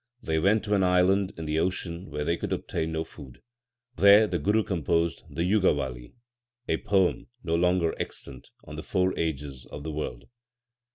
They went to an island in the ocean where they could obtain no food. There the Guru composed the Jugawali, a poem (no longer extant) on the four ages of the world.